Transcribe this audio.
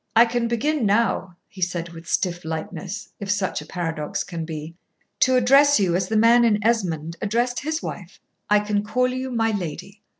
"I can begin now," he said with stiff lightness, if such a paradox can be, "to address you as the man in Esmond addressed his wife. I can call you 'my lady.'"